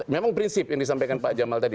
memang prinsip yang disampaikan pak jamal tadi